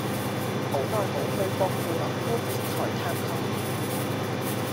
好耐無去薄扶林冠冕台探舅父